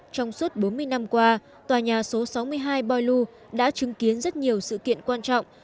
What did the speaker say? trong suốt bốn mươi năm qua tòa nhà số sáu mươi hai boilue đã chứng kiến rất nhiều sự kiện quan trọng